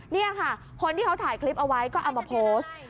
นี่ค่ะคนที่เขาถ่ายคลิปเอาไว้ก็เอามาโพสต์